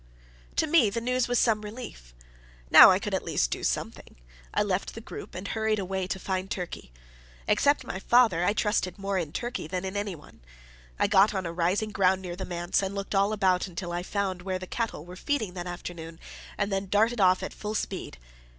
To me the news was some relief. Now I could at least do something. I left the group, and hurried away to find Turkey. Except my father, I trusted more in Turkey than in anyone. I got on a rising ground near the manse, and looked all about until I found where the cattle were feeding that afternoon, and then darted off at full speed.